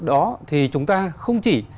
đó thì chúng ta không chỉ